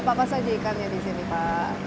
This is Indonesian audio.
apa apa saja ikannya di sini pak